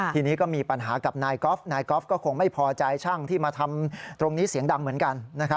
ทีนี้ก็มีปัญหากับนายกอล์ฟนายกอล์ฟก็คงไม่พอใจช่างที่มาทำตรงนี้เสียงดังเหมือนกัน